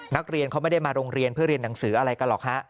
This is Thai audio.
นักเรียนเขาไม่ได้มาโรงเรียนเพื่อเรียนหนังสืออะไรกันหรอกฮะ